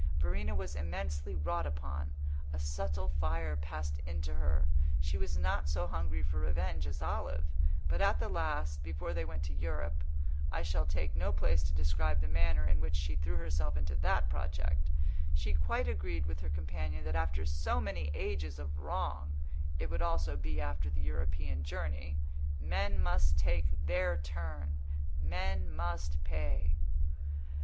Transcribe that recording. Verena was immensely wrought upon; a subtle fire passed into her; she was not so hungry for revenge as Olive, but at the last, before they went to Europe (I shall take no place to describe the manner in which she threw herself into that project), she quite agreed with her companion that after so many ages of wrong (it would also be after the European journey) men must take their turn, men must pay!